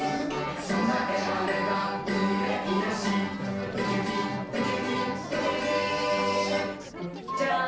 「そなえあればうれいなし」「ウキウキウキウキウキウキ」じゃん！